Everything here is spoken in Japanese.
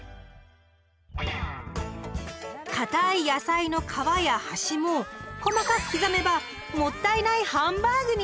かたい野菜の皮や端も細かく刻めば「もったいないハンバーグ」に！